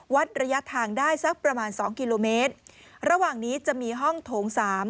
วัดระยะทางได้สักประมาณสองกิโลเมตรระหว่างนี้จะมีห้องโถงสาม